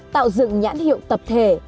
tạo dựng nhãn hiệu tập thể